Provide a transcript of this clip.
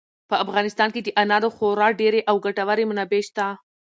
په افغانستان کې د انارو خورا ډېرې او ګټورې منابع شته.